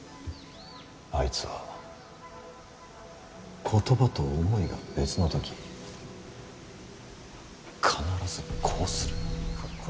あいつは言葉と思いが別の時、必ずこうする。